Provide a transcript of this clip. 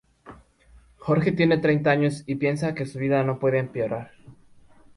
Jorge tiene treinta años y piensa que su vida no puede empeorar.